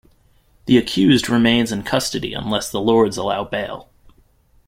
The accused remains in custody unless the Lords allow bail.